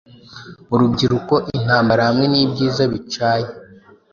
Urubyiruko-intambara hamwe nibyiza bicaye